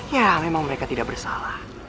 ya memang mereka tidak bersalah